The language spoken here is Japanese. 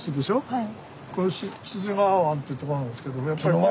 はい。